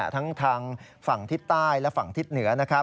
ทั้งทางฝั่งทิศใต้และฝั่งทิศเหนือนะครับ